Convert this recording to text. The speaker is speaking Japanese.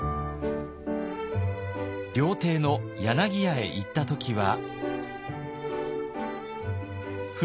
料亭の柳屋へ行った時は。